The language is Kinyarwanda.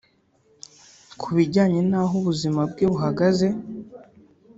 ku bijyanye n’aho ubuzima bwe buhagaze